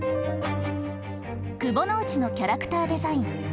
窪之内のキャラクターデザイン。